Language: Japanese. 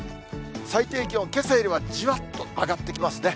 最低気温、けさよりはじわっと上がってきますね。